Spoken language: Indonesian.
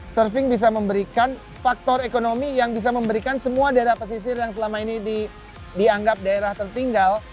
surfing bisa memberikan faktor ekonomi yang bisa memberikan semua daerah pesisir yang selama ini dianggap daerah tertinggal